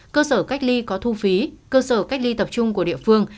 cơ sở cách ly có thu phí cơ sở cách ly tập trung của địa phương